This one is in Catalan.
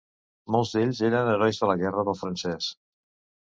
Molts d'ells eren herois de la Guerra del francès.